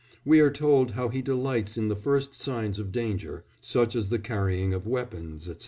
We are told how he delights in the first signs of danger, such as the carrying of weapons, &c.